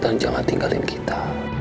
dan jangan tinggalin kita